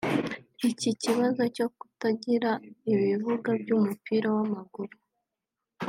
Iki kibazo cyo kutagira ibibuga by’umupira w’amaguru